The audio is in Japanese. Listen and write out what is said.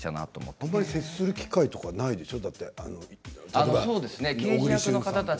あまり接する機会はないでしょう？